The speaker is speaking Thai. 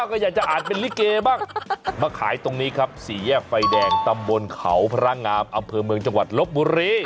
ก็อยากจะอ่านเป็นลิเกบ้างมาขายตรงนี้ครับสี่แยกไฟแดงตำบลเขาพระงามอำเภอเมืองจังหวัดลบบุรี